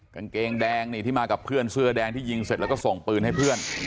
กางเกงแดงนี่ที่มากับเพื่อนเสื้อแดงที่ยิงเสร็จแล้วก็ส่งปืนให้เพื่อน